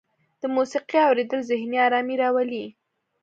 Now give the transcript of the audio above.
د موسیقۍ اوریدل ذهني ارامۍ راولي.